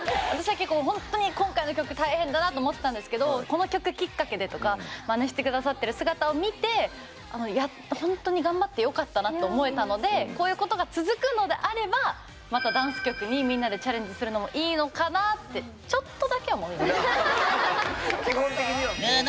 私は結構ほんっとに今回の曲大変だなって思ってたんですけどこの曲きっかけでとかまねして下さってる姿を見てほんとに頑張ってよかったなって思えたのでこういうことが続くのであればまたダンス曲にみんなでチャレンジするのもいいのかなってぬぬっ！